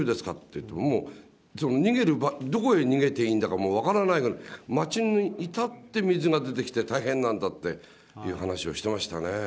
って、もう、どこに逃げていいのか、もう分からない、町に至って水が出てきて大変なんだっていう話をしてましたね。